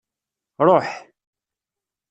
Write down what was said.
Ṛuḥ!